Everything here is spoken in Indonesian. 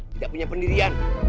tidak punya pendirian